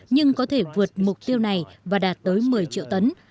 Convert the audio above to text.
nhưng có thể vượt mục tiêu này và đạt tới một mươi triệu tấn